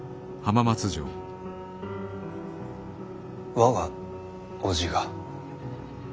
我が伯父が？